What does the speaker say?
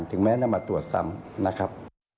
ถึงแม้นำมาตรวจซ้ำนะครับ